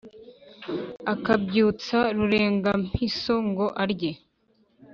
akabyutsa ruréngampíso ngo arye